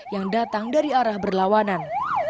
yang datang dari arah berlawanan